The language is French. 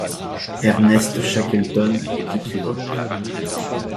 Ernest Shackleton est équivoque.